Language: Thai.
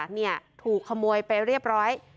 เนี่ยถูกขโมยไปเรียบร้อย